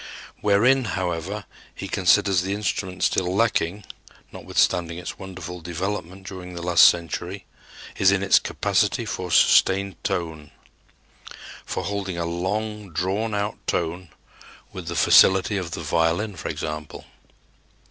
Wherein, however, he considers the instrument still lacking, notwithstanding its wonderful development during the last century, is in its capacity for sustained tone for holding a long drawn out tone with the facility of the violin, for example.